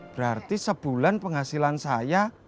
berarti sebulan penghasilan saya